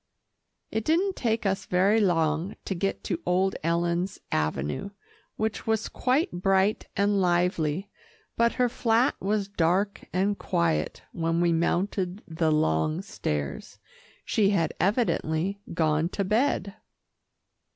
It didn't take us very long to get to old Ellen's avenue, which was quite bright and lively, but her flat was dark and quiet, when we mounted the long stairs. She had evidently gone to bed.